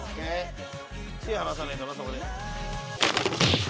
手離さないとなそこで。